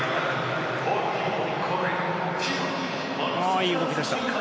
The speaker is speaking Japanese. いい動き出しだ。